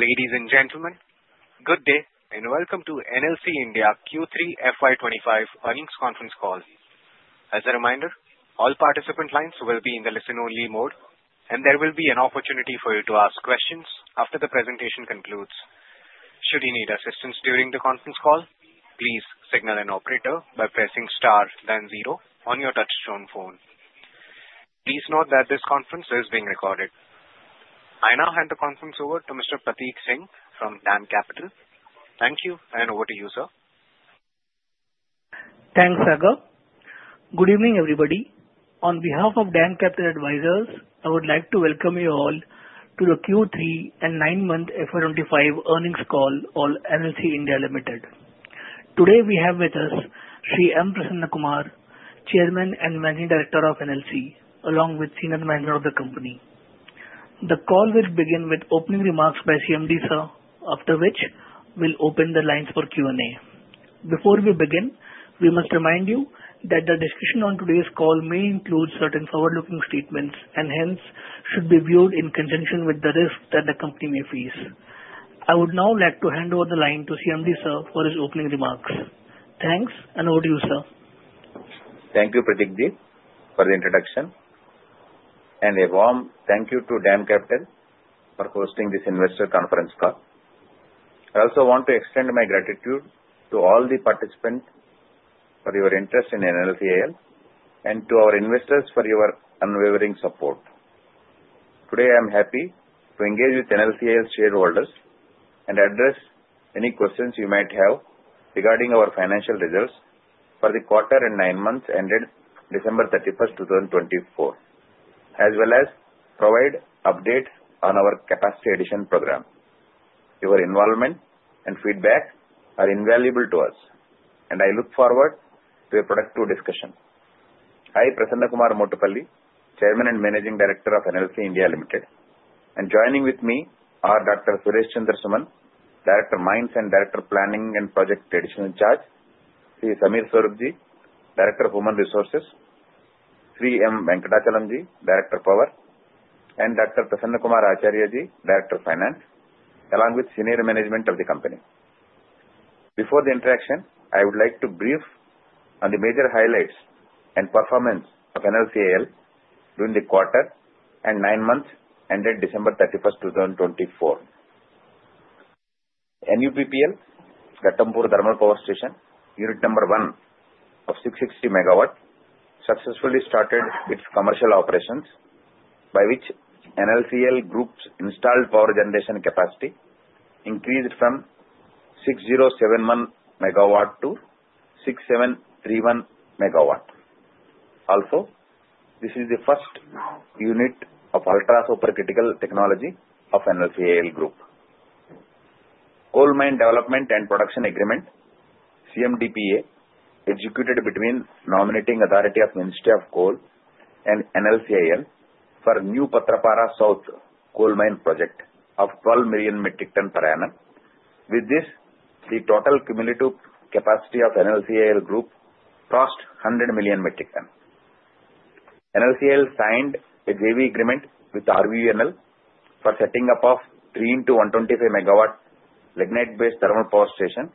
Ladies and gentlemen, good day and welcome to NLC India Q3 FY25 earnings conference call. As a reminder, all participant lines will be in the listen-only mode, and there will be an opportunity for you to ask questions after the presentation concludes. Should you need assistance during the conference call, please signal an operator by pressing star, then zero on your touch-tone phone. Please note that this conference is being recorded. I now hand the conference over to Mr. Prateek Singh from DAM Capital. Thank you, and over to you, sir. Thanks, Sagar. Good evening, everybody. On behalf of DAM Capital Advisors, I would like to welcome you all to the Q3 and nine-month FY25 Earnings Call of NLC India Limited. Today, we have with us Sri Prasanna Kumar Motupalli, Chairman and Managing Director of NLC, along with Senior Management of the company. The call will begin with opening remarks by CMD Sir, after which we'll open the lines for Q&A. Before we begin, we must remind you that the discussion on today's call may include certain forward-looking statements and hence should be viewed in conjunction with the risk that the company may face. I would now like to hand over the line to CMD Sir for his opening remarks. Thanks, and over to you, sir. Thank you, Prateek ji, for the introduction, and a warm thank you to DAM Capital for hosting this investor conference call. I also want to extend my gratitude to all the participants for your interest in NLCIL and to our investors for your unwavering support. Today, I'm happy to engage with NLCIL shareholders and address any questions you might have regarding our financial results for the quarter and nine months ended December 31st, 2024, as well as provide updates on our capacity addition program. Your involvement and feedback are invaluable to us, and I look forward to a productive discussion. Hi, Prasanna Kumar Motupalli, Chairman and Managing Director of NLC India Limited. And joining with me are Dr. Suresh Chandra Suman, Director of Mines and Director of Planning and Projects - Additional Charge, Sri Samir Swarup ji, Director of Human Resources, Sri M. Venkatachalam ji, Director of Power, and Dr. Kumar Acharya ji, Director of Finance, along with Senior Management of the company. Before the introduction, I would like to brief on the major highlights and performance of NLCIL during the quarter and nine months ended December 31st, 2024. NUPPL, Ghatampur Thermal Power Station, unit number one of 660 MWs, successfully started its commercial operations, by which NLCIL group's installed power generation capacity increased from 6071 MWs to 6731 MWs. Also, this is the first unit of ultra-supercritical technology of NLCIL group. Coal mine development and production agreement, CMDPA, executed between the nominating authority of the Ministry of Coal and NLCIL for the new Patrapara South coal mine project of 12 million metric tons per annum. With this, the total cumulative capacity of NLCIL group crossed 100 million metric tons. NLCIL signed a JV agreement with RVNL for setting up of 3-125 MW lignite-based thermal power station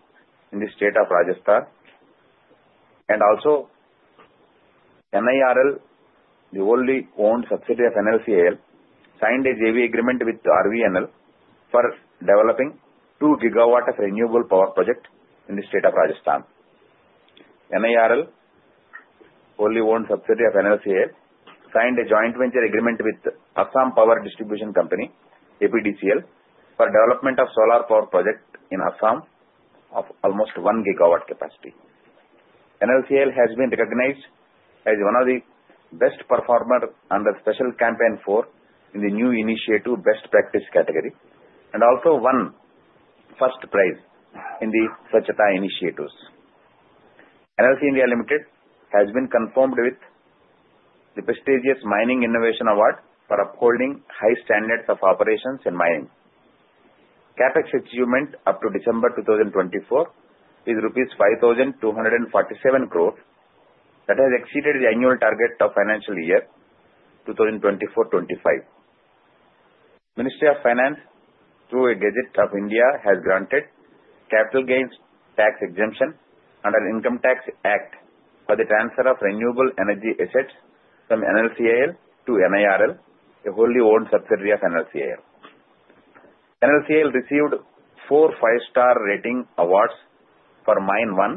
in the state of Rajasthan. Also, NIRL, the wholly-owned subsidiary of NLCIL, signed a JV agreement with RVNL for developing 2 gigawatts of renewable power project in the state of Rajasthan. NIRL, wholly-owned subsidiary of NLCIL, signed a joint venture agreement with Assam Power Distribution Company, APDCL, for development of solar power project in Assam of almost 1 gigawatt capacity. NLCIL has been recognized as one of the best performers under the Special Campaign 4.0 in the new initiative best practice category and also won first prize in the Swachhata initiatives. NLC India Limited has been conferred with the prestigious Mining Innovation Award for upholding high standards of operations in mining. CAPEX achievement up to December 2024 is rupees 5,247 crore that has exceeded the annual target of financial year 2024-25. The Ministry of Finance, through a Gazette of India, has granted capital gains tax exemption under the Income Tax Act for the transfer of renewable energy assets from NLCIL to NIRL, a wholly-owned subsidiary of NLCIL. NLCIL received four five-star rating awards for Mine-I,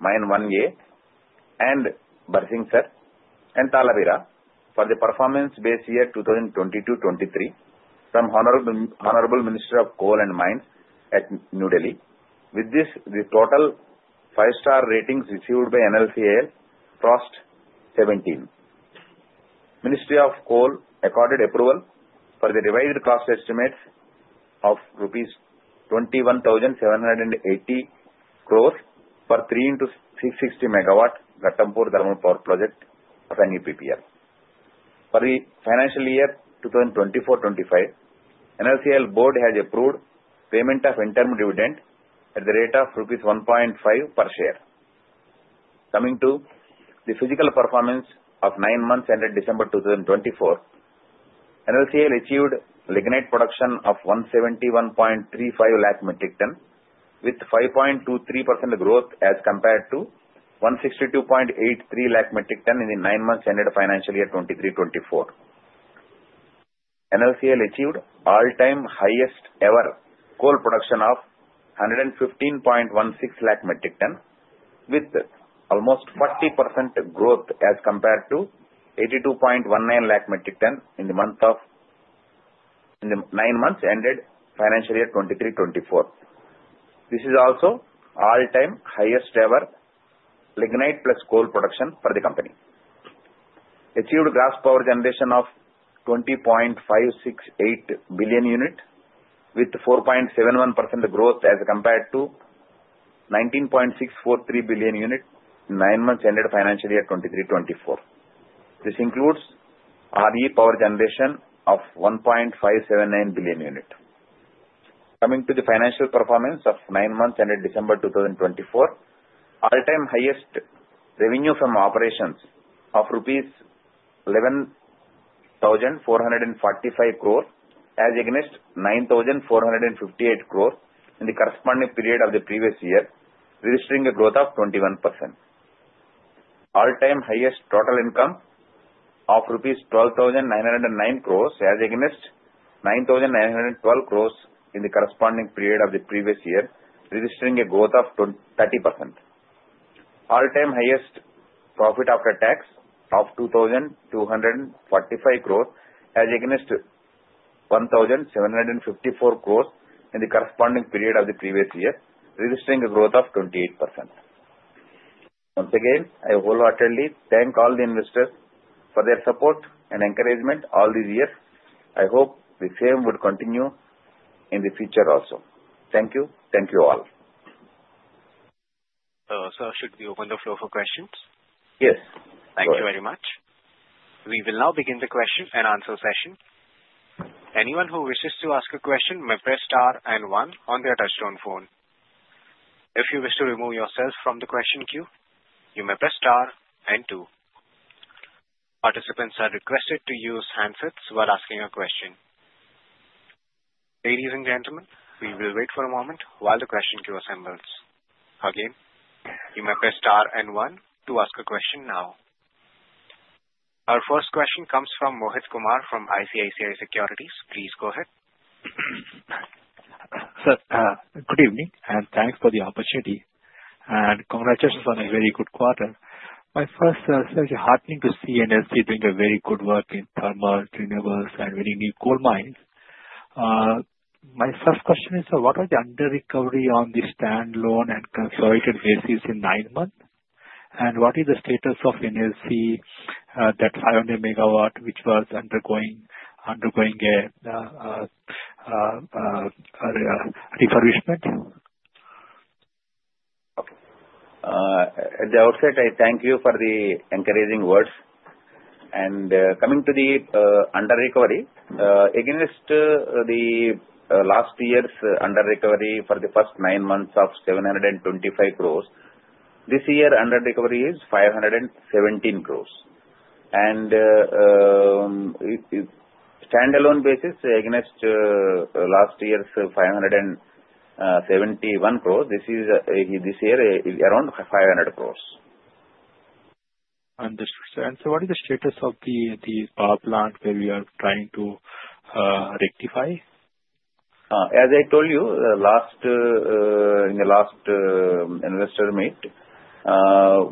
Mine-IA, and Barsingsar, and Talabira for the performance based year 2022-23 from the Honorable Minister of Coal and Mines at New Delhi. With this, the total five-star ratings received by NLCIL crossed 17. The Ministry of Coal accorded approval for the revised cost estimates of INR 21,780 crore for 3x660 MW Ghatampur Thermal Power Project of NUPPL. For the financial year 2024-25, the NLCIL board has approved payment of interim dividend at the rate of rupees 1.5 per share. Coming to the physical performance of nine months ended December 2024, NLCIL achieved lignite production of 171.35 lakh metric tons, with 5.23% growth as compared to 162.83 lakh metric tons in the nine months ended financial year 2023-24. NLCIL achieved all-time highest ever coal production of 115.16 lakh metric tons, with almost 40% growth as compared to 82.19 lakh metric tons in the nine months ended financial year 2023-24. This is also all-time highest ever lignite plus coal production for the company. Achieved gross power generation of 20.568 billion units, with 4.71% growth as compared to 19.643 billion units in nine months ended financial year 2023-24. This includes RE power generation of 1.579 billion units. Coming to the financial performance of nine months ended December 2024, all-time highest revenue from operations of rupees 11,445 crore as against 9,458 crore in the corresponding period of the previous year, registering a growth of 21%. All-time highest total income of rupees 12,909 crore as against 9,912 crore in the corresponding period of the previous year, registering a growth of 30%. All-time highest profit after tax of 2,245 crore as against 1,754 crore in the corresponding period of the previous year, registering a growth of 28%. Once again, I wholeheartedly thank all the investors for their support and encouragement all these years. I hope the same would continue in the future also. Thank you. Thank you all. Sir, should we open the floor for questions? Yes. Thank you very much. We will now begin the question and answer session. Anyone who wishes to ask a question may press star and one on their touch-tone phone. If you wish to remove yourself from the question queue, you may press star and two. Participants are requested to use handsets while asking a question. Ladies and gentlemen, we will wait for a moment while the question queue assembles. Again, you may press star and one to ask a question now. Our first question comes from Mohit Kumar from ICICI Securities. Please go ahead. Sir, good evening, and thanks for the opportunity. And congratulations on a very good quarter. My first, sir, it's heartening to see NLC doing a very good work in thermals, renewables, and many new coal mines. My first question is, sir, what are the under-recovery on the standalone and consolidated basis in nine months? And what is the status of NLC, that 500 MW, which was undergoing a refurbishment? At the outset, I thank you for the encouraging words. And coming to the under-recovery, against the last year's under-recovery for the first nine months of 725 crore, this year's under-recovery is 517 crore. And standalone basis, against last year's 571 crore, this year is around 500 crore. Understood, sir. And sir, what is the status of the power plant where we are trying to rectify? As I told you, in the last investor meet,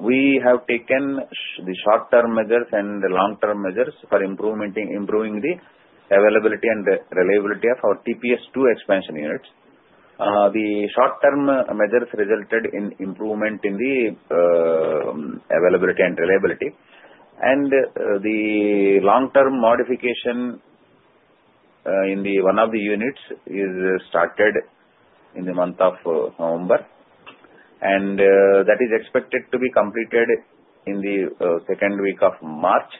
we have taken the short-term measures and the long-term measures for improving the availability and reliability of our TPS-II Expansion units. The short-term measures resulted in improvement in the availability and reliability. And the long-term modification in one of the units is started in the month of November, and that is expected to be completed in the second week of March.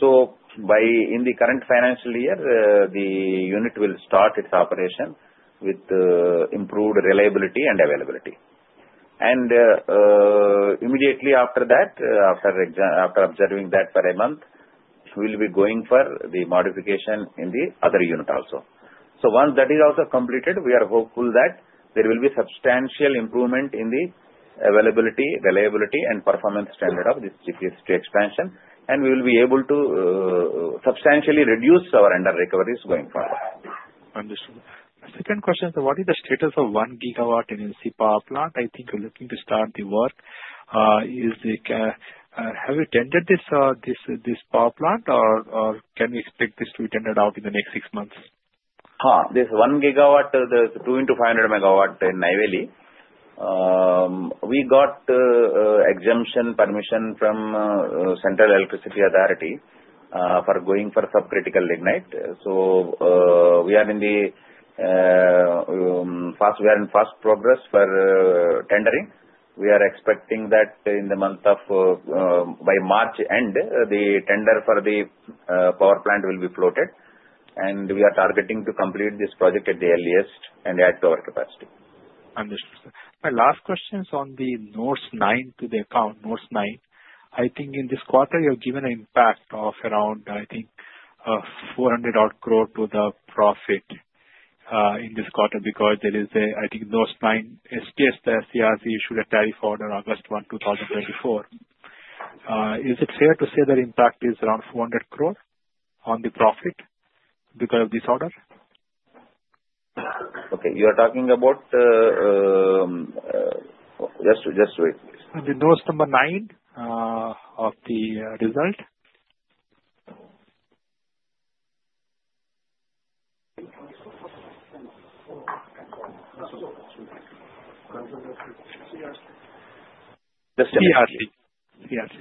So in the current financial year, the unit will start its operation with improved reliability and availability. And immediately after that, after observing that for a month, we'll be going for the modification in the other unit also. So once that is also completed, we are hopeful that there will be substantial improvement in the availability, reliability, and performance standard of this TPS-II expansion, and we will be able to substantially reduce our under-recoveries going forward. Understood. My second question, sir, what is the status of one gigawatt NLC power plant? I think you're looking to start the work. Have you tendered this power plant, or can we expect this to be tendered out in the next six months? This one gigawatt, there's two into 500 MWs in Neyveli. We got exemption permission from Central Electricity Authority for going for subcritical lignite. So we are in fast progress for tendering. We are expecting that in the month of by March end, the tender for the power plant will be floated, and we are targeting to complete this project at the earliest and add to our capacity. Understood, sir. My last question is on the Note 9 to the account, Note 9. I think in this quarter, you have given an impact of around, I think, 400-odd crore to the profit in this quarter because there is a, I think, Note 9 SPS to CERC issued a tariff order August 1, 2024. Is it fair to say that impact is around 400 crore on the profit because of this order? Okay. You are talking about just wait. The NLC's number nine of the result? CRC. CRC.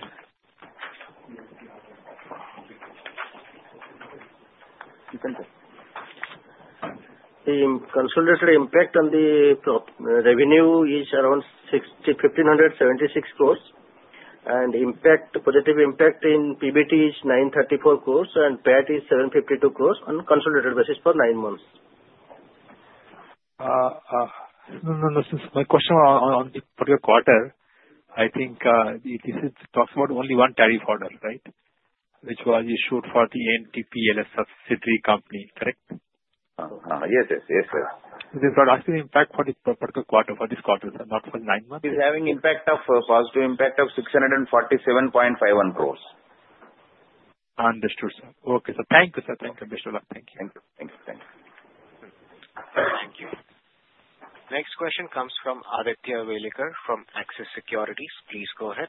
The consolidated impact on the revenue is around 1,576 crore. And the positive impact in PBT is 934 crore, and PAT is 752 crore on consolidated basis for nine months. No, no, no. Since my question on the particular quarter, I think this talks about only one tariff order, right, which was issued for the NTPL subsidiary company, correct? Yes, yes, yes, sir. Is it for lasting impact for this particular quarter, for this quarter, sir, not for nine months? It is having positive impact of 647.51 crore. Understood, sir. Okay, sir. Thank you, sir. Thank you, Mr. Lang. Thank you. Thank you. Thank you. Thank you. Next question comes from Aditya Welekar from Axis Securities. Please go ahead.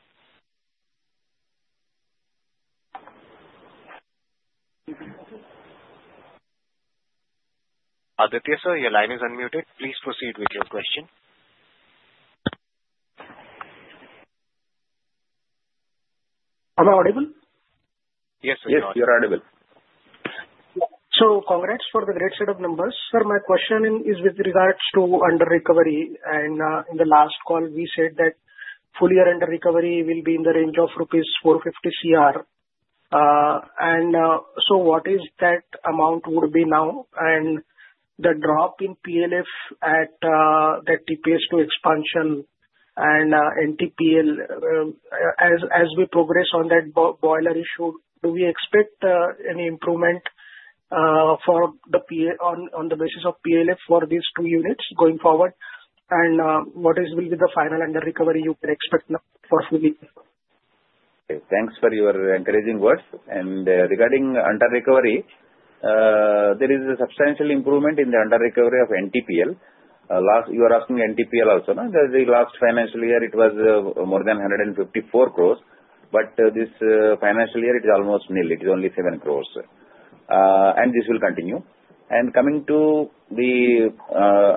Aditya, sir, your line is unmuted. Please proceed with your question. Am I audible? Yes, sir. Yes, you're audible. Congrats for the great set of numbers. Sir, my question is with regards to under-recovery. In the last call, we said that full year under-recovery will be in the range of rupees 450 crore. What is that amount would be now? The drop in PLF at that TPS-II expansion and NTPL, as we progress on that boiler issue, do we expect any improvement on the basis of PLF for these two units going forward? What will be the final under-recovery you can expect now for full year? Thanks for your encouraging words. And regarding under-recovery, there is a substantial improvement in the under-recovery of NTPL. You are asking NTPL also, no? The last financial year, it was more than 154 crore. But this financial year, it is almost nil. It is only 7 crore. And this will continue. And coming to the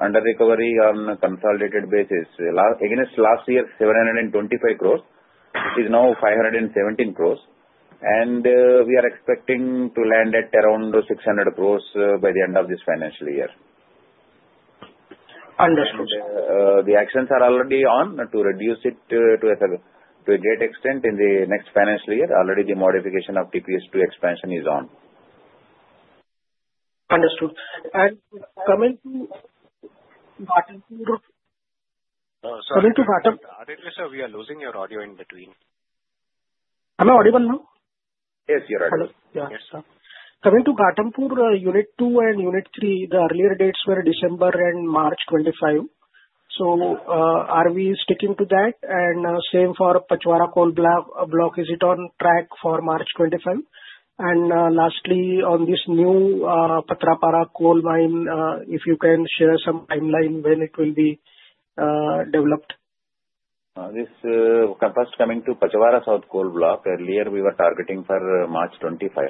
under-recovery on consolidated basis, against last year, 725 crore is now 517 crore. And we are expecting to land at around 600 crore by the end of this financial year. Understood, sir. The actions are already on to reduce it to a great extent in the next financial year. Already, the modification of TPS-II expansion is on. Understood. And coming to Ghatampur... Sorry? Aditya, sir, we are losing your audio in between. Am I audible now? Yes, you're audible. Yes, sir. Coming to Ghatampur, unit two and unit three, the earlier dates were December and March 2025. So are we sticking to that? And same for Pachhwara Coal Block, is it on track for March 2025? And lastly, on this new Patrapara Coal Mine, if you can share some timeline when it will be developed? This commissioning to Pachhwara South Coal Block, earlier, we were targeting for March 2025.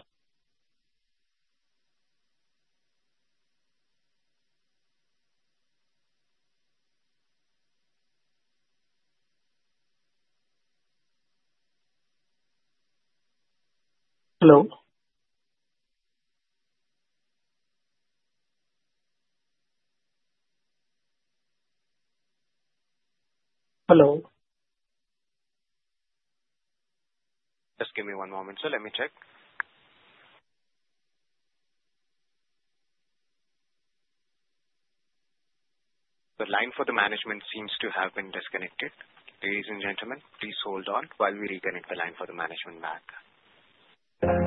Hello? Hello? Just give me one moment, sir. Let me check. The line for the management seems to have been disconnected. Ladies and gentlemen, please hold on while we reconnect the line for the management back. Ladies and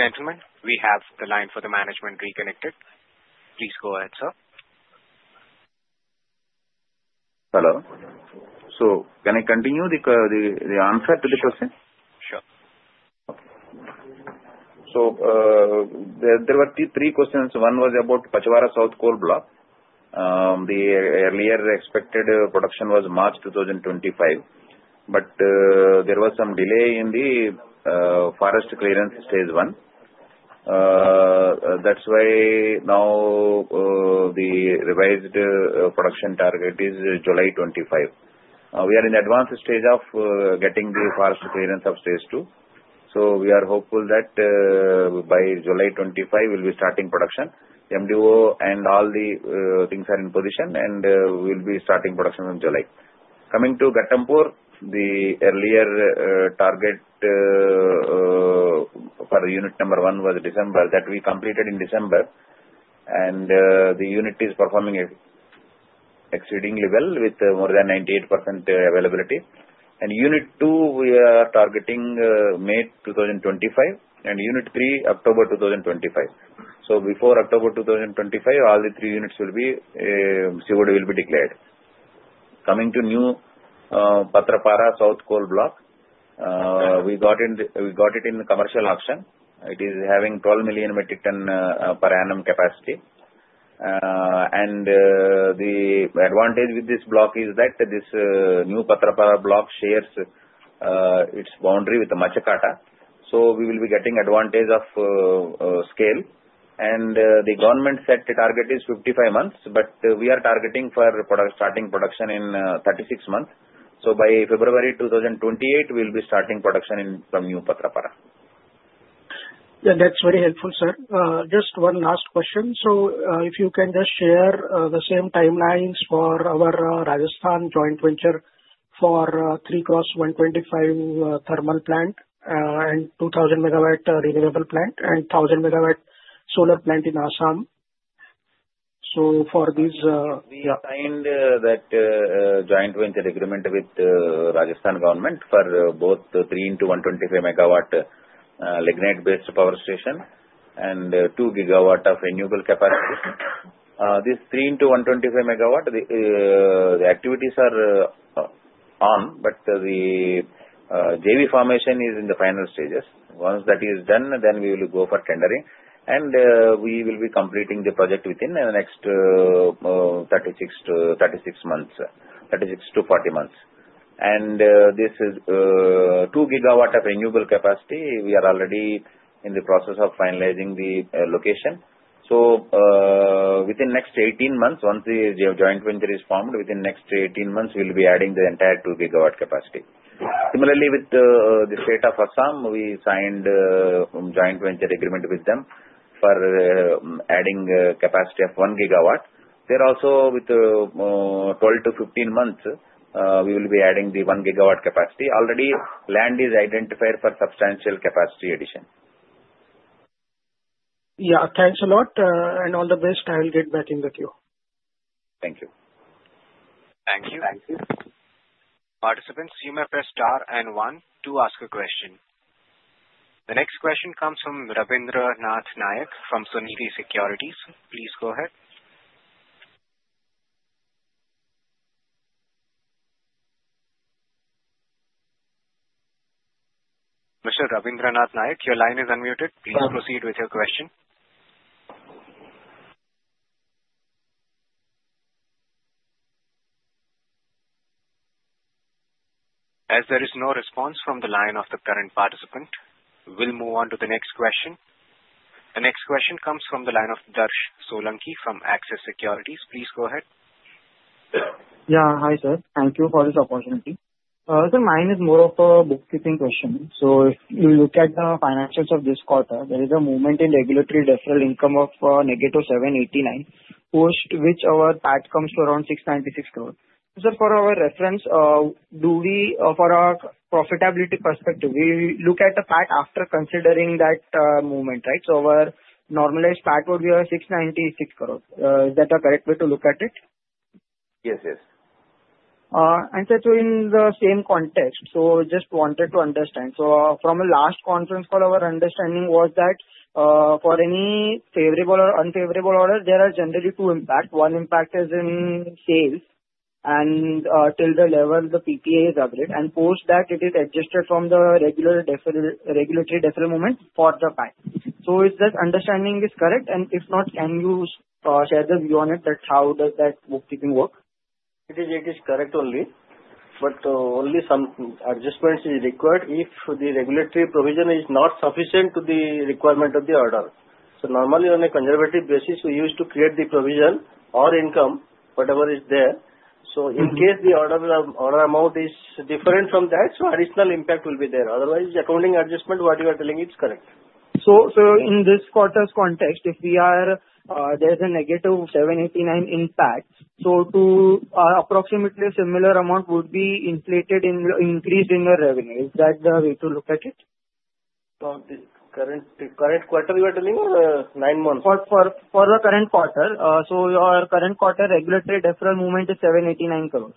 gentlemen, we have the line for the management reconnected. Please go ahead, sir. Hello? So can I continue the answer to the question? Sure. There were three questions. One was about Pachhwara South Coal Block. The earlier expected production was March 2025. But there was some delay in the forest clearance stage one. That's why now the revised production target is July 2025. We are in the advanced stage of getting the forest clearance of stage two. We are hopeful that by July 2025, we'll be starting production. MDO and all the things are in position, and we'll be starting production in July. Coming to Ghatampur, the earlier target for unit number one was December, that we completed in December. The unit is performing exceedingly well with more than 98% availability. Unit two, we are targeting May 2025, and unit three, October 2025. Before October 2025, all the three units will be COD will be declared. Coming to the new Patrapara South Coal Block, we got it in commercial auction. It is having 12 million metric tons per annum capacity. The advantage with this block is that this new Patrapara block shares its boundary with Machhakata. We will be getting advantage of scale. The government-set target is 55 months, but we are targeting for starting production in 36 months. By February 2028, we'll be starting production from new Patrapara. Yeah, that's very helpful, sir. Just one last question. So if you can just share the same timelines for our Rajasthan joint venture for 3x125 thermal plant and 2000 MW renewable plant and 1000 MW solar plant in Assam. So for these. We signed that joint venture agreement with Rajasthan government for both three into 125 MW lignite-based power station and two gigawatt of renewable capacity. This three into 125 MW. The activities are on, but the JV formation is in the final stages. Once that is done, then we will go for tendering. We will be completing the project within the next 36-40 months. This is two gigawatt of renewable capacity. We are already in the process of finalizing the location. Within next 18 months, once the joint venture is formed, within next 18 months, we'll be adding the entire two gigawatt capacity. Similarly, with the state of Assam, we signed a joint venture agreement with them for adding capacity of one gigawatt. There also, within 12-15 months, we will be adding the one gigawatt capacity. Already, land is identified for substantial capacity addition. Yeah, thanks a lot. And all the best. I will get back in with you. Thank you. Thank you. Thank you. Participants, you may press star and one to ask a question. The next question comes from Rabindranath Nayak from Sunidhi Securities. Please go ahead. Mr. Rabindranath Nayak, your line is unmuted. Please proceed with your question. As there is no response from the line of the current participant, we'll move on to the next question. The next question comes from the line of Darsh Solanki from Axis Securities. Please go ahead. Yeah, hi, sir. Thank you for this opportunity. Sir, mine is more of a bookkeeping question. So if you look at the financials of this quarter, there is a movement in regulatory deferral income of negative 789, which our PAT comes to around 696 crore. Sir, for our reference, do we for our profitability perspective, we look at the PAT after considering that movement, right? So our normalized PAT would be 696 crore. Is that a correct way to look at it? Yes, yes. Sir, so in the same context, so just wanted to understand. From the last conference call, our understanding was that for any favorable or unfavorable order, there are generally two impacts. One impact is in sales. Till the level the PPA is upgraded and post that it is adjusted from the regulatory deferral account for the PAT. Is that understanding correct? If not, can you share the view on it that how does that bookkeeping work? It is correct only. But only some adjustments are required if the regulatory provision is not sufficient to the requirement of the order. So normally, on a conservative basis, we use to create the provision or income, whatever is there. So in case the order amount is different from that, so additional impact will be there. Otherwise, accounting adjustment, what you are telling, it's correct. So in this quarter's context, if there's a negative 789 impact, so approximately a similar amount would be inflated, increased in your revenue. Is that the way to look at it? Current quarter, you are telling, or nine months? For the current quarter, so your current quarter regulatory deferral movement is 789 crore.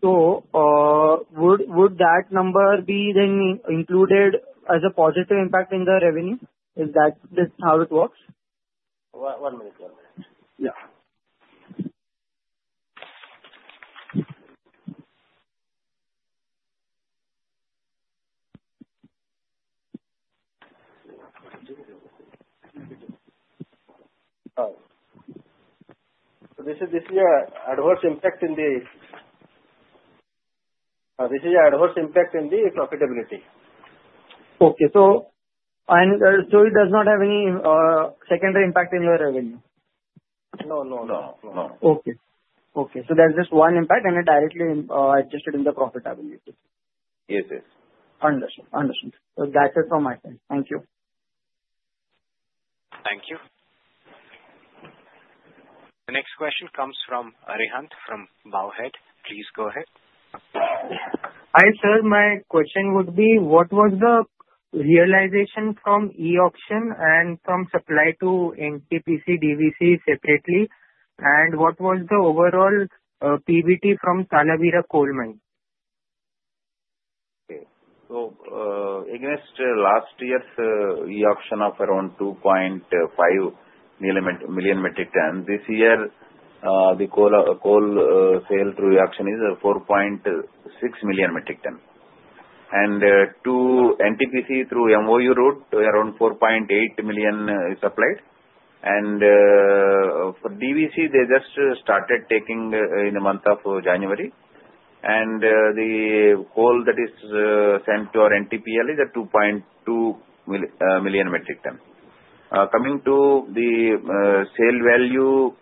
So would that number be then included as a positive impact in the revenue? Is that how it works? One minute, one minute. Yeah. This is an adverse impact in the profitability. Okay, so it does not have any secondary impact in your revenue? No, no, no, no. There's just one impact and it directly adjusted in the profitability. Yes, yes. Understood. Understood. So that's it from my side. Thank you. Thank you. The next question comes from Arihant from Bowhead. Please go ahead. Hi, sir. My question would be, what was the realization from e-auction and from supply to NTPC, DVC separately? And what was the overall PBT from Talabira Coal Mine? Okay. So again, last year, E-auction of around 2.5 million metric ton. This year, the coal sale through E-auction is 4.6 million metric ton. And to NTPC through MOU route, around 4.8 million is applied. And for DVC, they just started taking in the month of January. And the coal that is sent to our NTPL is 2.2 million metric ton. Coming to the sale value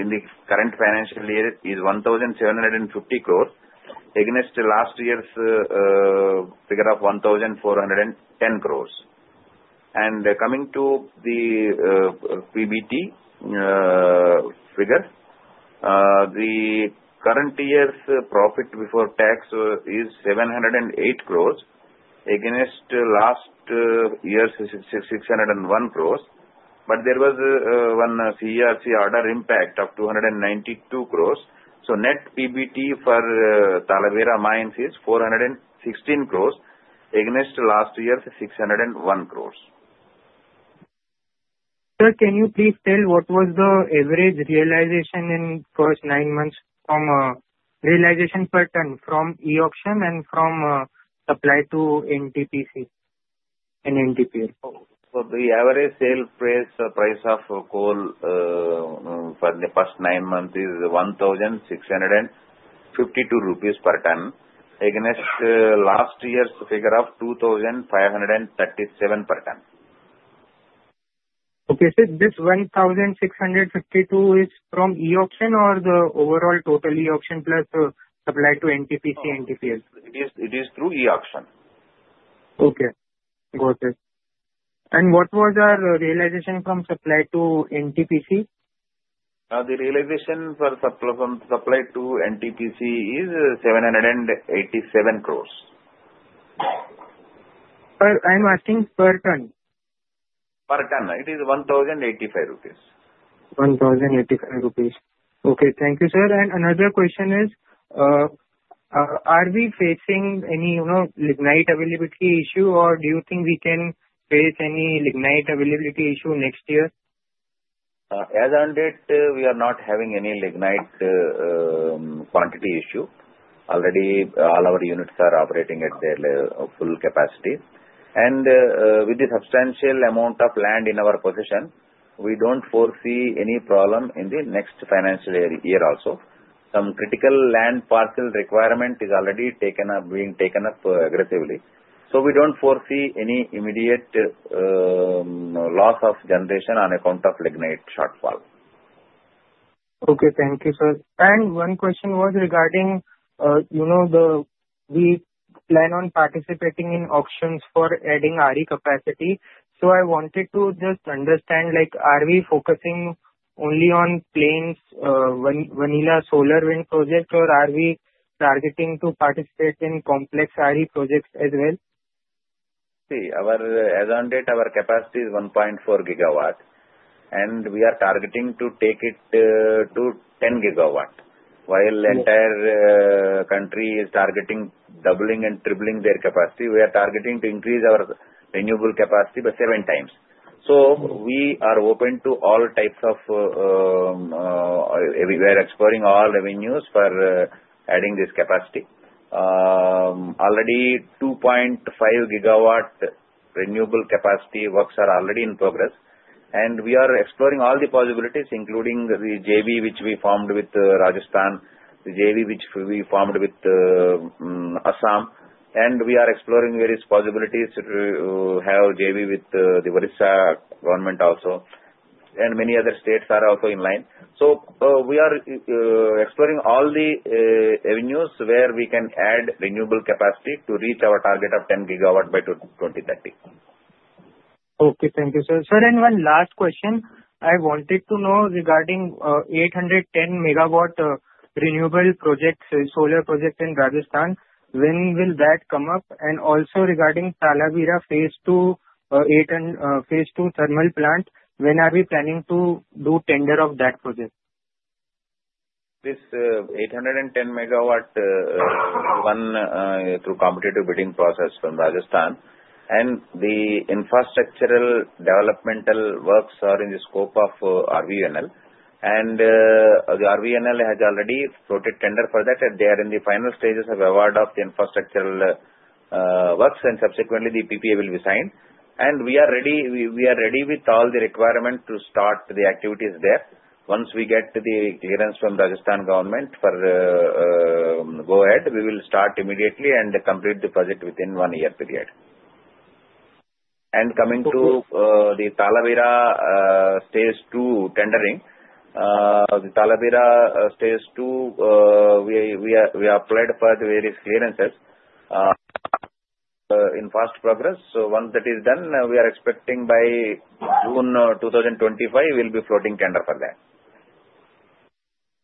in the current financial year is 1,750 crore. Against last year's figure of 1,410 crore. And coming to the PBT figure, the current year's profit before tax is 708 crore. Against last year's, it is 601 crore. But there was one CERC order impact of 292 crore. So net PBT for Talabira Mines is 416 crore. Against last year's, 601 crore. Sir, can you please tell what was the average realization in first nine months from realization per ton from e-auction and from supply to NTPC and NTPL? The average sale price of coal for the past nine months is 1652 rupees per ton. Against last year's figure of 2537 per ton. Okay. So this 1652 is from e-auction or the overall total e-auction plus supply to NTPC, NTPL? It is through e-auction. Okay. Got it. And what was our realization from supply to NTPC? The realization from supply to NTPC is 787 crores. I'm asking per ton? Per ton. It is 1085 rupees. 1,085 rupees. Okay. Thank you, sir. And another question is, are we facing any lignite availability issue or do you think we can face any lignite availability issue next year? As of date, we are not having any lignite quantity issue. Already, all our units are operating at their full capacity. And with the substantial amount of land in our possession, we don't foresee any problem in the next financial year also. Some critical land parcel requirement is already being taken up aggressively. So we don't foresee any immediate loss of generation on account of lignite shortfall. Okay. Thank you, sir. One question was regarding, we plan on participating in auctions for adding RE capacity. So I wanted to just understand, are we focusing only on plain vanilla solar wind project or are we targeting to participate in complex RE projects as well? See, as of date, our capacity is 1.4 gigawatt and we are targeting to take it to 10 gigawatt. While the entire country is targeting doubling and tripling their capacity, we are targeting to increase our renewable capacity by seven times. We are open to all types of we are exploring all avenues for adding this capacity. Already, 2.5 gigawatt renewable capacity works are already in progress and we are exploring all the possibilities, including the JV which we formed with Rajasthan, the JV which we formed with Assam. We are exploring various possibilities to have JV with the Odisha government also and many other states are also in line. We are exploring all the avenues where we can add renewable capacity to reach our target of 10 gigawatt by 2030. Okay. Thank you, sir. Sir, and one last question. I wanted to know regarding 810 MW renewable projects, solar projects in Rajasthan. When will that come up? And also regarding Talabira Phase II thermal plant, when are we planning to do tender of that project? This 810 MW won through competitive bidding process from Rajasthan, and the infrastructural developmental works are in the scope of RVNL, and the RVNL has already put a tender for that. They are in the final stages of award of the infrastructural works, and subsequently, the PPA will be signed, and we are ready with all the requirement to start the activities there. Once we get the clearance from Rajasthan government for go ahead, we will start immediately and complete the project within one year period, and coming to the Talabira Phase II tendering, the Talabira Phase II, we applied for the various clearances in fast progress, so once that is done, we are expecting by June 2025, we'll be floating tender for that.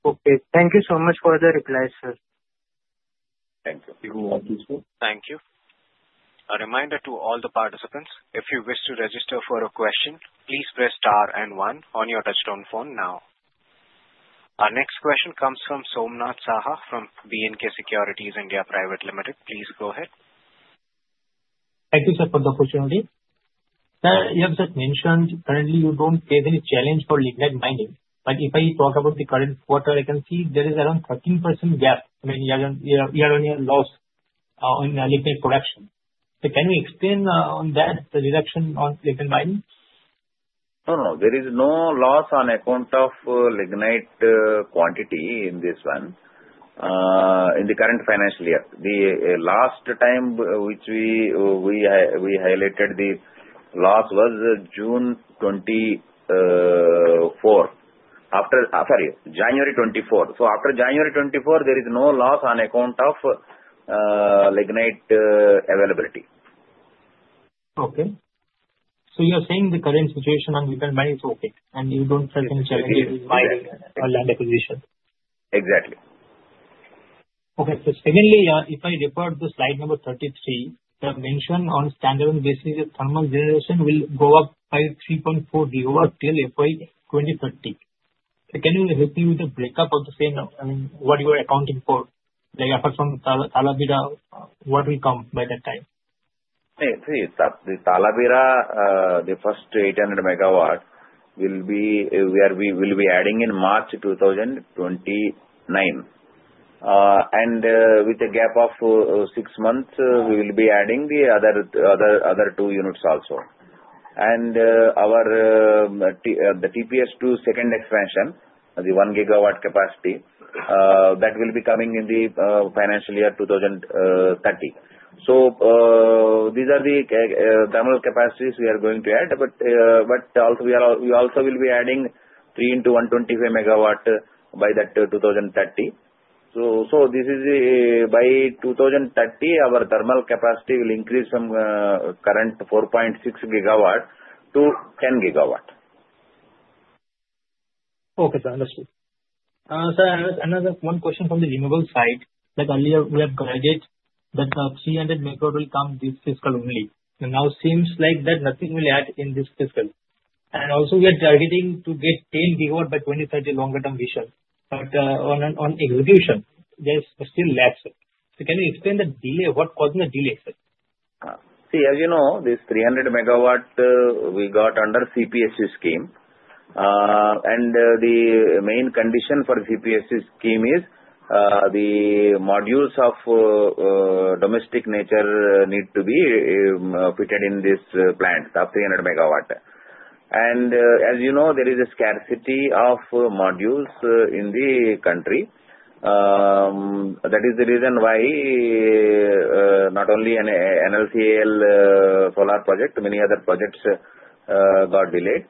Okay. Thank you so much for the replies, sir. Thank you. Thank you. A reminder to all the participants, if you wish to register for a question, please press star and one on your touchtone phone now. Our next question comes from Somnath Saha from B&K Securities India Private Limited. Please go ahead. Thank you, sir, for the opportunity. Sir, you have just mentioned currently you don't face any challenge for lignite mining. But if I talk about the current quarter, I can see there is around 13% gap in your lignite production. So can you explain on that, the reduction on lignite mining? No, no, no. There is no loss on account of lignite quantity in this one. In the current financial year, the last time which we highlighted the loss was June 2024. After, sorry, January 2024. So after January 2024, there is no loss on account of lignite availability. Okay, so you are saying the current situation on lignite mining is okay. And you don't face any challenges in mining or land acquisition? Exactly. Okay. So secondly, if I refer to slide number 33, there are mentions on standalone basis that thermal generation will go up by 3.4 gigawatt till FY 2030. So can you help me with the breakup of the same? I mean, what you are accounting for? Apart from Talabira, what will come by that time? See, Talabira, the first 800 MW will be we will be adding in March 2029. And with a gap of six months, we will be adding the other two units also. And the TPS-II second expansion, the 1 gigawatt capacity, that will be coming in the financial year 2030. So these are the thermal capacities we are going to add. But we also will be adding 3 into 125 MW by that 2030. So this is by 2030, our thermal capacity will increase from current 4.6 gigawatt to 10 gigawatt. Okay, sir. Understood. Sir, another one question from the renewable side. Earlier, we have guided that 300 MW will come this fiscal only. Now it seems like that nothing will add in this fiscal. And also, we are targeting to get 10 gigawatt by 2030 longer term vision. But on execution, there's still lag, sir. So can you explain the delay? What caused the delay, sir? See, as you know, this 300 MW we got under CPSU scheme, and the main condition for CPSU scheme. OB to Sand is the modules of domestic nature need to be fitted in this plant of 300 MW, and as you know, there is a scarcity of modules in the country. That is the reason why not only NLCIL solar project, many other projects got delayed.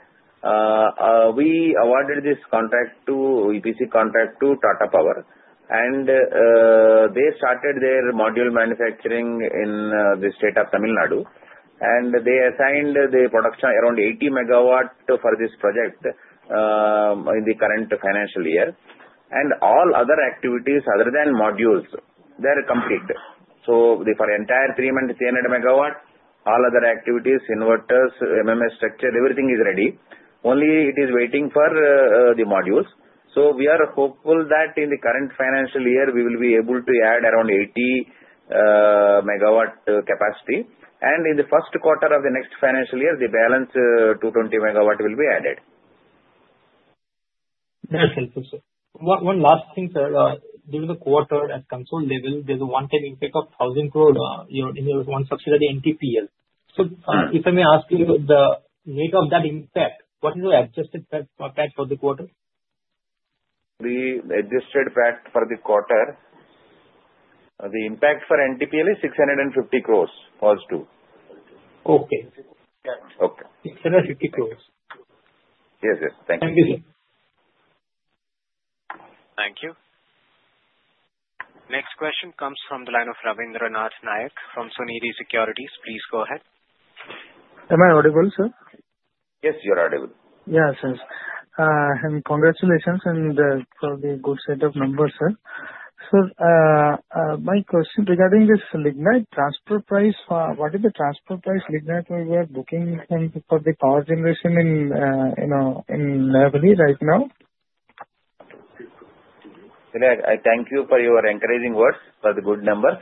We awarded this EPC contract to Tata Power, and they started their module manufacturing in the state of Tamil Nadu, and they assigned the production around 80 MW for this project in the current financial year, and all other activities other than modules, they are complete, so for the entire 300 MW, all other activities, inverters, MMS structure, everything is ready. Only it is waiting for the modules. So we are hopeful that in the current financial year, we will be able to add around 80 MWs capacity. And in the Q1 of the next financial year, the balance 220 MWs will be added. That's helpful, sir. One last thing, sir. During the quarter at consolidated level, there's a one-time impact of 1,000 crore in one subsidiary NTPL. So if I may ask you the nature of that impact, what is the adjusted PAT for the quarter? The adjusted PAT for the quarter, the impact for NTPL is 650 crores positive. Okay. 650 crores. Yes, yes. Thank you. Thank you, sir. Thank you. Next question comes from the line of Rabindranath Nayak from Sunidhi Securities. Please go ahead. Am I audible, sir? Yes, you're audible. Yes, yes, and congratulations and probably a good set of numbers, sir. Sir, my question regarding this lignite transfer price, what is the transfer price lignite we are booking for the power generation in Neyveli right now? Thank you for your encouraging words for the good numbers.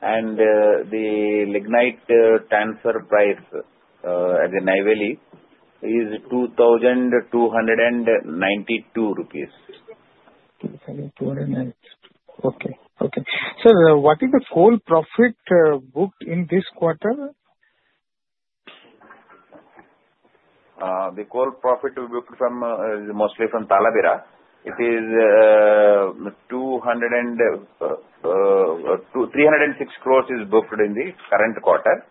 The lignite transfer price at the Neyveli is 2,292 rupees. Okay. Okay. Sir, what is the coal profit booked in this quarter? The coal profit is booked mostly from Talabira. It is 306 crores booked in the current quarter,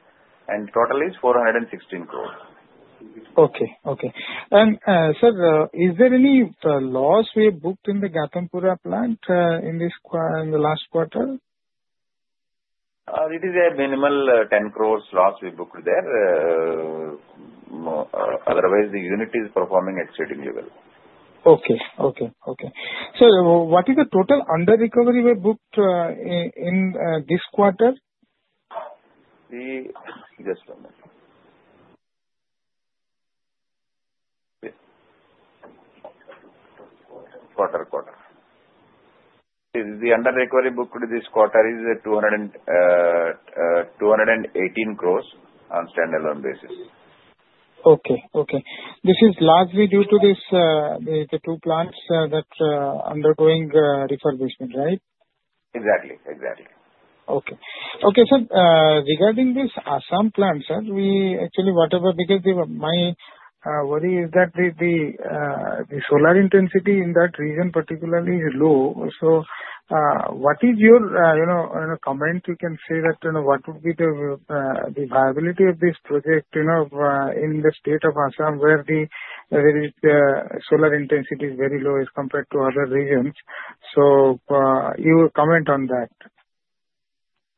and total is 416 crores. Okay. Okay. And sir, is there any loss we have booked in the Ghatampur plant in the last quarter? It is a minimal 10 crores loss we booked there. Otherwise, the unit is performing exceedingly well. Okay. Sir, what is the total under-recovery we have booked in this quarter? The under-recovery booked this quarter is 218 crores on standalone basis. This is largely due to the two plants that are undergoing refurbishment, right? Exactly. Exactly. Okay. Okay. Sir, regarding this Assam plant, sir, we actually whatever because my worry is that the solar intensity in that region particularly is low. So what is your comment? You can say that what would be the viability of this project in the state of Assam where the solar intensity is very low as compared to other regions? So your comment on that.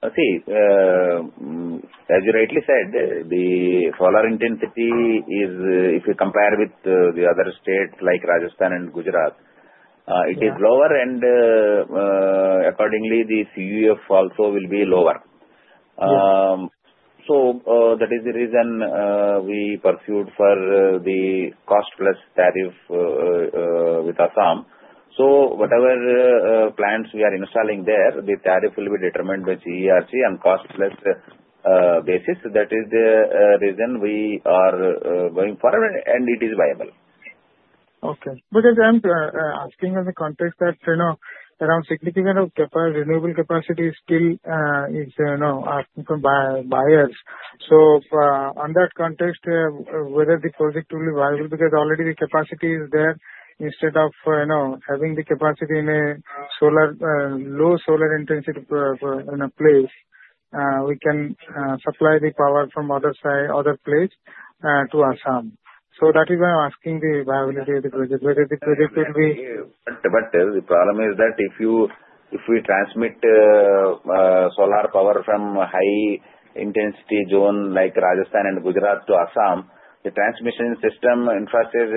See, as you rightly said, the solar intensity is, if you compare with the other states like Rajasthan and Gujarat, lower, and accordingly, the CUF also will be lower, so that is the reason we pursued for the cost-plus tariff with Assam. So whatever plants we are installing there, the tariff will be determined by CERC on cost-plus basis. That is the reason we are going forward, and it is viable. Okay. But as I'm asking in the context that around significant of renewable capacity still is asking from buyers. So on that context, whether the project will be viable because already the capacity is there. Instead of having the capacity in a low solar intensity place, we can supply the power from other places to Assam. So that is why I'm asking the viability of the project. Whether the project will be. But the problem is that if we transmit solar power from high intensity zone like Rajasthan and Gujarat to Assam, the transmission system infrastructure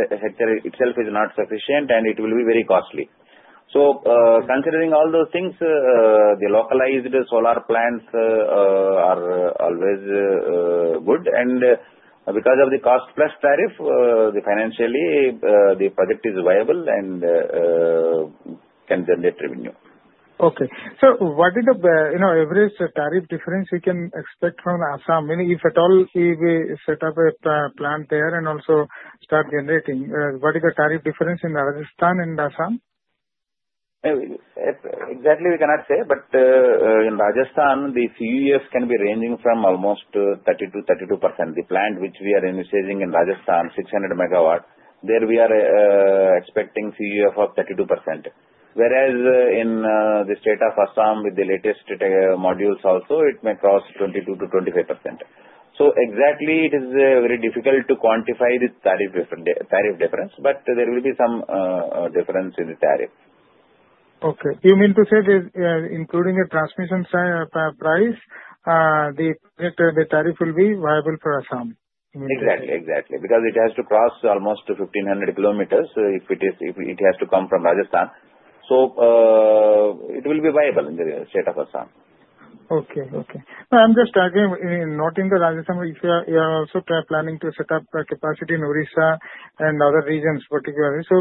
itself is not sufficient. And it will be very costly. So considering all those things, the localized solar plants are always good. And because of the cost-plus tariff, financially, the project is viable and can generate revenue. Okay. Sir, what is the average tariff difference we can expect from Assam? If at all, if we set up a plant there and also start generating, what is the tariff difference in Rajasthan and Assam? Exactly, we cannot say. But in Rajasthan, the CUF can be ranging from almost 30%-32%. The plant which we are initiating in Rajasthan, 600 MW, there we are expecting CUF of 32%. Whereas in the state of Assam, with the latest modules also, it may cross 22%-25%. So exactly, it is very difficult to quantify the tariff difference. But there will be some difference in the tariff. Okay. You mean to say that including the transmission price, the tariff will be viable for Assam? Exactly. Exactly. Because it has to cross almost 1500 km if it has to come from Rajasthan. So it will be viable in the state of Assam. Okay. I'm just talking not in Rajasthan. You are also planning to set up capacity in Odisha and other regions particularly. So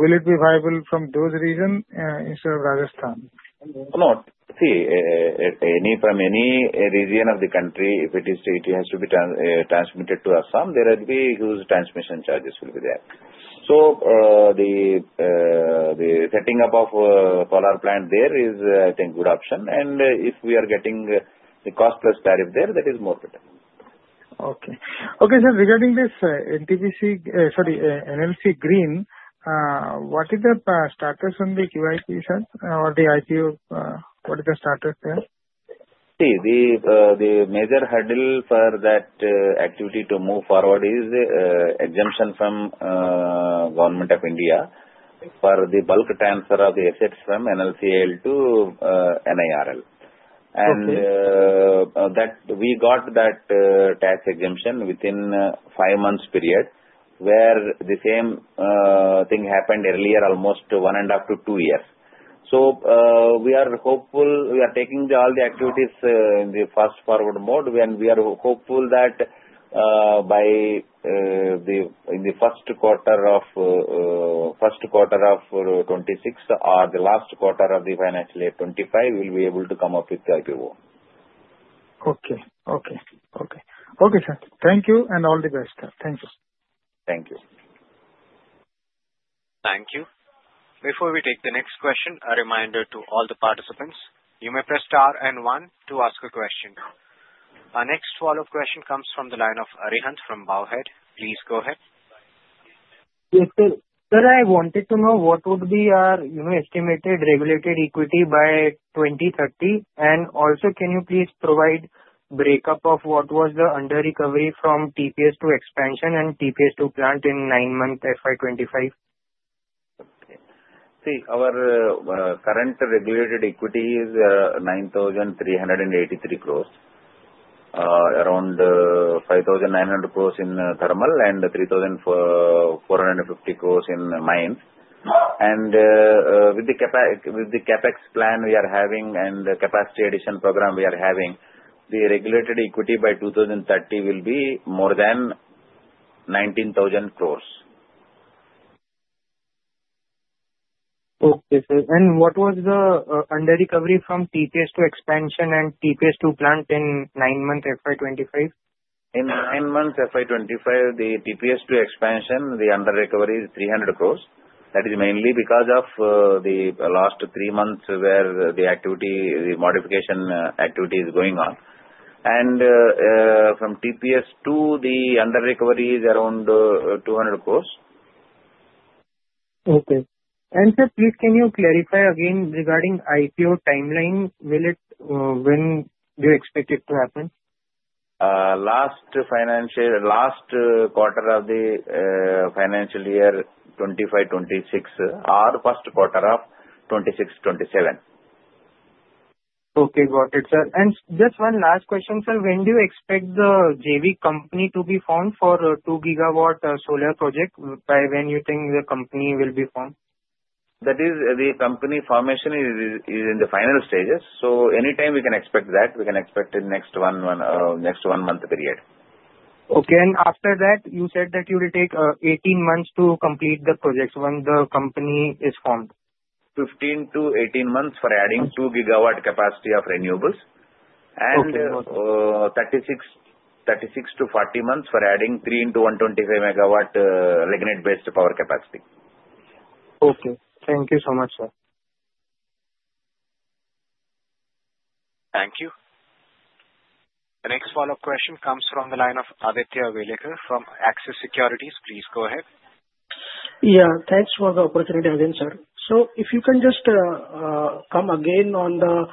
will it be viable from those regions instead of Rajasthan? No. See, from any region of the country, if it has to be transmitted to Assam, there will be huge transmission charges there. So the setting up of a solar plant there is, I think, a good option. And if we are getting the cost-plus tariff there, that is more better. Okay. Okay, sir. Regarding this NTPC, sorry, NLC Green, what is the status on the QIP, sir? Or the IPO? What is the status there? See, the major hurdle for that activity to move forward is exemption from Government of India for the bulk transfer of the assets from NLCIL to NIRL. And we got that tax exemption within a five-month period where the same thing happened earlier, almost one and a half to two years. So we are hopeful. We are taking all the activities in the fast-forward mode. And we are hopeful that by the Q1 of 2026 or the last quarter of the financial year 2025, we will be able to come up with the IPO. Okay, sir. Thank you. And all the best, sir. Thank you. Thank you. Thank you. Before we take the next question, a reminder to all the participants. You may press star and one to ask a question. Our next follow-up question comes from the line of Arihant from Bowhead. Please go ahead. Yes, sir. Sir, I wanted to know what would be our estimated regulated equity by 2030. And also, can you please provide a breakup of what was the under-recovery from TPS-II Expansion and TPS-II plant in nine-month FY 2025? See, our current Regulated Equity is 9,383 crores. Around 5,900 crores in thermal and 3,450 crores in mines. And with the CapEx plan we are having and the capacity addition program we are having, the Regulated Equity by 2030 will be more than 19,000 crores. Okay, sir. And what was the under-recovery from TPS-II expansion and TPS-II plant in nine-month FY 25? In nine-month FY 25, the TPS-II expansion, the under-recovery is 300 crores. That is mainly because of the last three months where the modification activity is going on. And from TPS-II, the under-recovery is around 200 crores. Okay. And sir, please can you clarify again regarding IPO timeline? When do you expect it to happen? Last quarter of the financial year 2025-2026 or Q1 of 2026-2027. Okay. Got it, sir. Just one last question, sir. When do you expect the JV company to be formed for two gigawatt solar project? By when do you think the company will be formed? That is, the company formation is in the final stages. So anytime we can expect that, we can expect in the next one-month period. Okay. And after that, you said that you will take 18 months to complete the projects when the company is formed. 15 to 18 months for adding 2 gigawatt capacity of renewables, and 36 to 40 months for adding 3 x 125 MW lignite-based power capacity. Okay. Thank you so much, sir. Thank you. The next follow-up question comes from the line of Aditya Welekar from Axis Securities. Please go ahead. Yeah. Thanks for the opportunity again, sir. So if you can just come again on the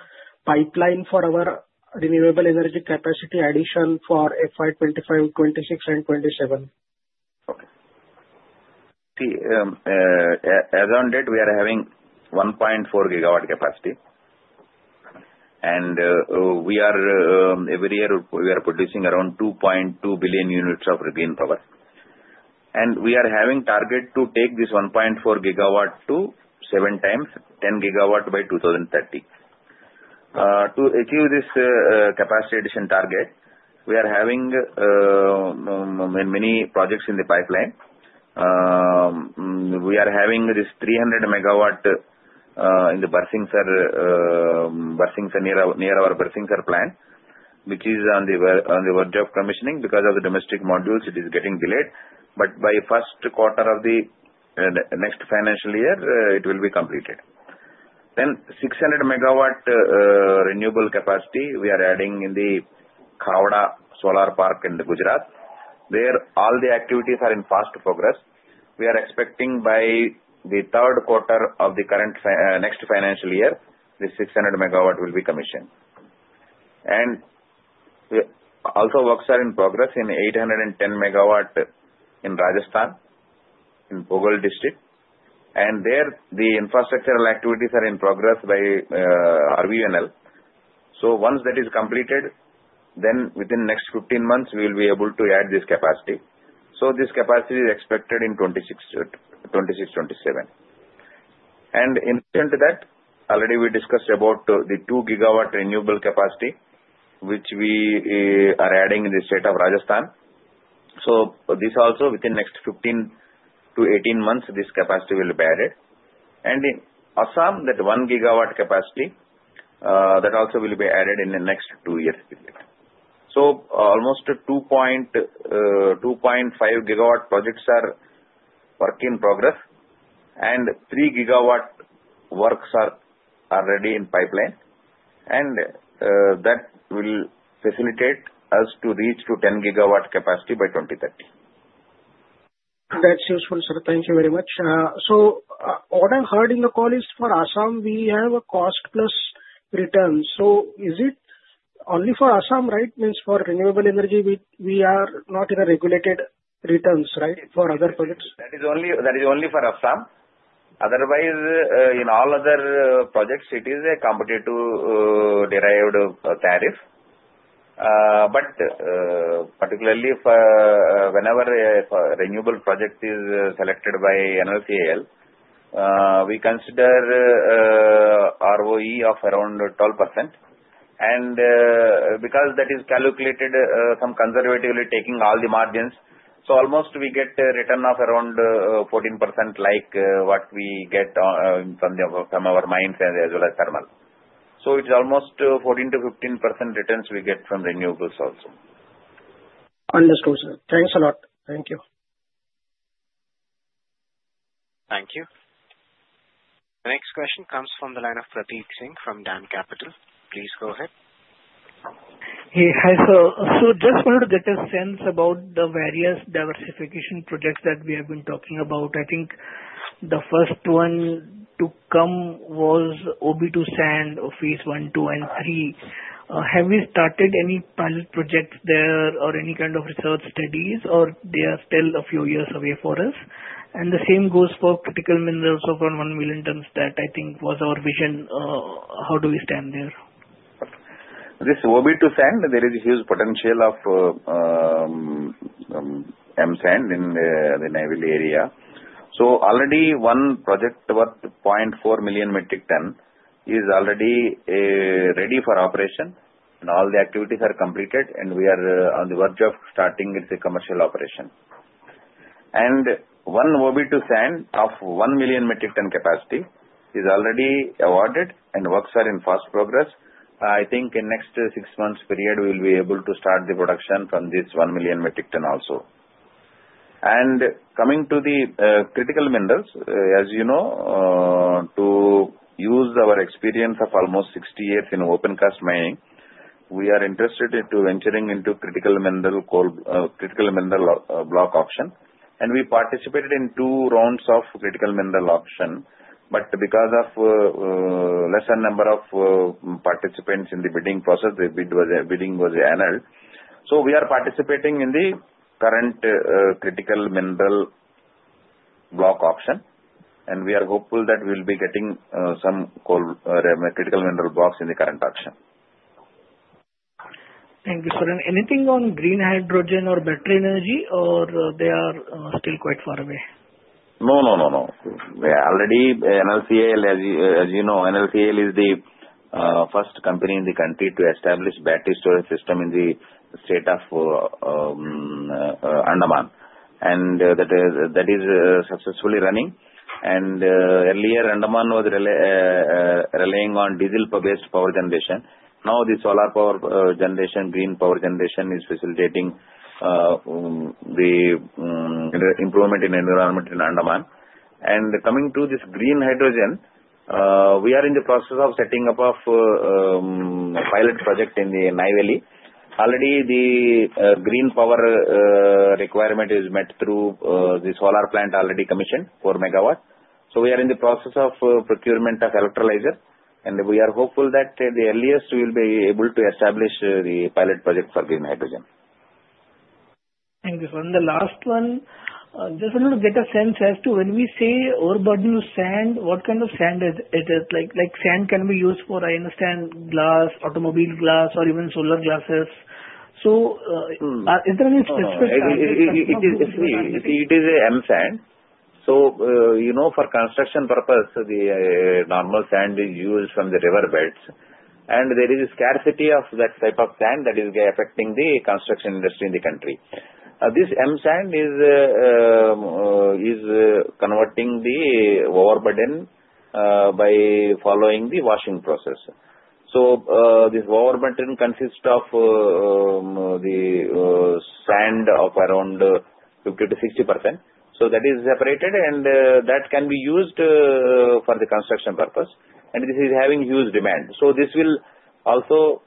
pipeline for our renewable energy capacity addition for FY 25, 26, and 27. Okay. See, as of date, we are having 1.4 gigawatt capacity, and every year, we are producing around 2.2 billion units of green power, and we are having a target to take this 1.4 gigawatt to 7 times, 10 gigawatt by 2030. To achieve this capacity addition target, we are having many projects in the pipeline. We are having this 300 MW in the Barsingsar near our Barsingsar plant, which is on the verge of commissioning because of the domestic modules. It is getting delayed, but by Q1 of the next financial year, it will be completed. Then, 600 MW renewable capacity we are adding in the Khavda Solar Park in Gujarat. There, all the activities are in fast progress. We are expecting by the third quarter of the next financial year, this 600 MW will be commissioned. And also works are in progress in 810-MW in Rajasthan, in Pugal district. And there, the infrastructural activities are in progress by RVNL. So once that is completed, then within the next 15 months, we will be able to add this capacity. So this capacity is expected in 26-27. And in addition to that, already we discussed about the two-gigawatt renewable capacity, which we are adding in the state of Rajasthan. So this also, within the next 15 to 18 months, this capacity will be added. And in Assam, that one-gigawatt capacity, that also will be added in the next two years period. So almost 2.5-gigawatt projects are working in progress. And three-gigawatt works are already in pipeline. And that will facilitate us to reach to 10-gigawatt capacity by 2030. That's useful, sir. Thank you very much. So what I heard in the call is for Assam, we have a cost-plus return. So is it only for Assam, right? Means for renewable energy, we are not in a regulated return, right, for other projects? That is only for Assam. Otherwise, in all other projects, it is a competitive derived tariff. But particularly, whenever a renewable project is selected by NLCIL, we consider ROE of around 12%. And because that is calculated from conservatively taking all the margins, so almost we get a return of around 14% like what we get from our mines as well as thermal. So it's almost 14%-15% returns we get from renewables also. Understood, sir. Thanks a lot. Thank you. Thank you. The next question comes from the line of Prateek Singh from DAM Capital. Please go ahead. Hey, hi. So just wanted to get a sense about the various diversification projects that we have been talking about. I think the first one to come was OB to Sand, phase I, II, and III. Have we started any pilot projects there or any kind of research studies, or they are still a few years away for us? And the same goes for critical minerals of around one million tons. That I think was our vision. How do we stand there? This OB to Sand, there is a huge potential of M-Sand in the Neyveli area, so already one project worth 0.4 million metric tons is already ready for operation, and all the activities are completed, and we are on the verge of starting its commercial operation, and one OB to Sand of 1 million metric tons capacity is already awarded, and works are in fast progress. I think in the next six months period, we will be able to start the production from this 1 million metric tons also, and coming to the critical minerals, as you know, to use our experience of almost 60 years in open-cast mining, we are interested in venturing into critical mineral block auction, and we participated in two rounds of critical mineral auction, but because of lesser number of participants in the bidding process, the bidding was annulled. We are participating in the current critical mineral block auction. We are hopeful that we will be getting some critical mineral blocks in the current auction. Thank you, sir, and anything on green hydrogen or battery energy, or they are still quite far away? No, no, no, no. Already, NLCIL, as you know, NLCIL is the first company in the country to establish battery storage system in the state of Andaman, and that is successfully running, and earlier, Andaman was relying on diesel-based power generation. Now, the solar power generation, green power generation is facilitating the improvement in environment in Andaman, and coming to this green hydrogen, we are in the process of setting up a pilot project in the Neyveli. Already, the green power requirement is met through the solar plant already commissioned for MW, so we are in the process of procurement of electrolyzer, and we are hopeful that the earliest we will be able to establish the pilot project for green hydrogen. Thank you, sir. And the last one, just wanted to get a sense as to when we say our overburden sand, what kind of sand is it? Like sand can be used for, I understand, glass, automobile glass, or even solar glasses. So is there any specific? See, it is an M-Sand. So for construction purpose, the normal sand is used from the river beds. And there is a scarcity of that type of sand that is affecting the construction industry in the country. This M-Sand is converting the overburden by following the washing process. So this overburden consists of the sand of around 50%-60%. So that is separated. And that can be used for the construction purpose. And this is having huge demand. So this will also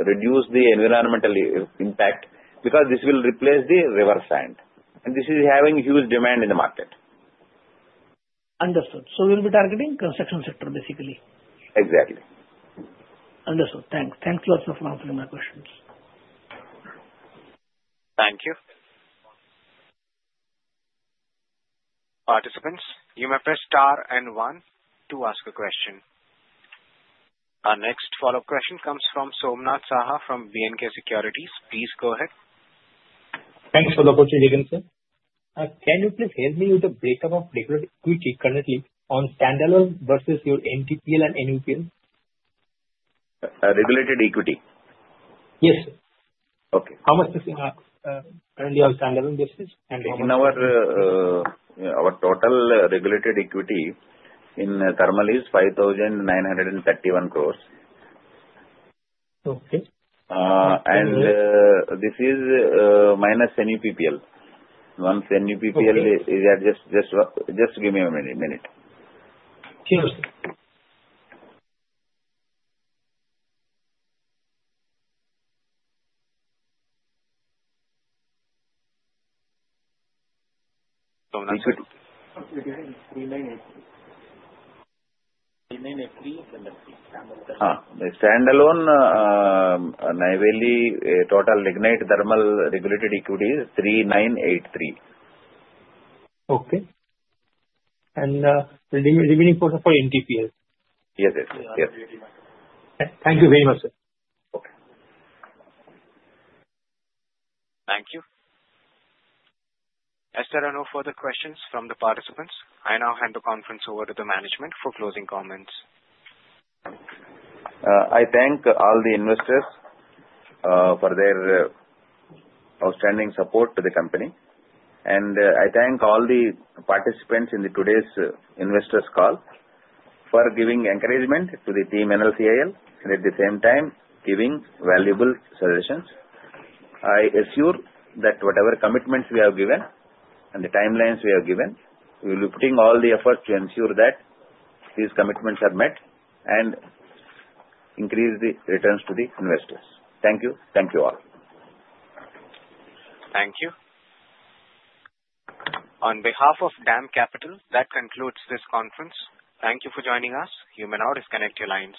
reduce the environmental impact because this will replace the river sand. And this is having huge demand in the market. Understood. So we will be targeting the construction sector, basically. Exactly. Understood. Thanks. Thanks a lot for answering my questions. Thank you. Participants, you may press star and one to ask a question. Our next follow-up question comes from Somnath Saha from BNK Securities. Please go ahead. Thanks for the opportunity again, sir. Can you please help me with the breakup of regulated equity currently on standalone versus your NTPL and NUPPL? Regulated equity? Yes, sir. Okay. How much is currently on standalone basis? Our total regulated equity in thermal is 5,931 crores. Okay. This is minus NUPPL. Once NUPPL is adjusted, just give me a minute. Sure, sir. Standalone Neyveli total lignite thermal regulated equity is 3,983. Okay. And remaining for NTPL? Yes, yes, yes. Thank you very much, sir. Okay. Thank you. Is there any further questions from the participants? I now hand the conference over to the management for closing comments. I thank all the investors for their outstanding support to the company. And I thank all the participants in today's investors' call for giving encouragement to the team NLCIL. And at the same time, giving valuable suggestions. I assure that whatever commitments we have given and the timelines we have given, we will be putting all the efforts to ensure that these commitments are met and increase the returns to the investors. Thank you. Thank you all. Thank you. On behalf of DAM Capital, that concludes this conference. Thank you for joining us. You may now disconnect your lines.